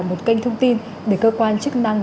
một kênh thông tin để cơ quan chức năng